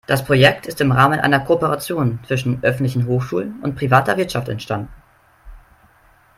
Das Projekt ist im Rahmen einer Kooperation zwischen öffentlichen Hochschulen und privater Wirtschaft entstanden.